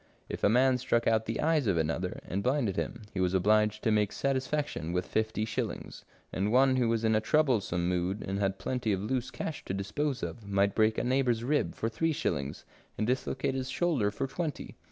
If a man struck out the eye of another and blinded him, he was obliged to make satisfaction with fifty shillings, and one who was in a troublesome mood and had plenty of loose cash to dispose of, might break a neighbour's rib for three shillings, and dislocate his shoulder for twenty.